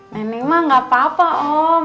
nenek mah gak apa apa om